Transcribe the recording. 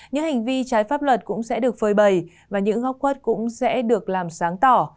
những hành vi trái pháp luật cũng sẽ được phơi bầy và những góc quất cũng sẽ được làm sáng tỏ